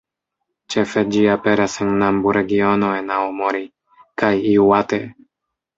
Ĉefe ĝi aperas en Nambu-regiono en Aomori, kaj Iŭate.